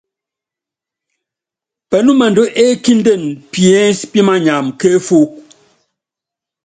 Pɛnúmɛndú ékíndene piénsi pímanyam kéfúku.